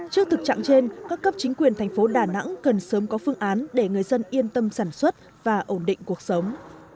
trước thực trạng trên các cấp chính quyền thành phố đà nẵng cần sớm có phương án để người dân yên tâm sản xuất và ổn định cuộc sống